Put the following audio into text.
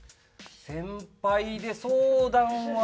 先輩で相談は。